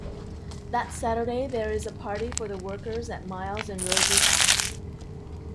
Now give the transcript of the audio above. That Saturday, there is a party for the workers at Miles and Rosie's house.